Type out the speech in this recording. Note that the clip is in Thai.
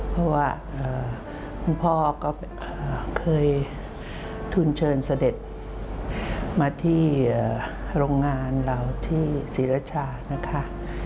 เพราะว่าคุณพ่อก็เคยทุนเชิญเสด็จมาที่โรงงานเราที่ศรีรชานะคะ